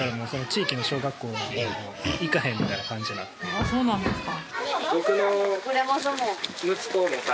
ああそうなんですか。